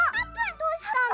どうしたの？